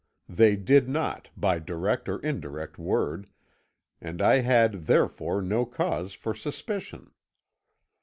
They did not, by direct or indirect word, and I had, therefore, no cause for suspicion.